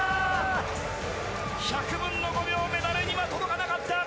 １００分の５秒、メダルには届かなかった。